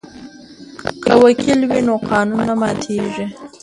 که وکیل وي نو قانون نه ماتیږي.